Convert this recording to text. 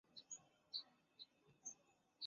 中间的拱肩上有曼努埃尔一世的徽章。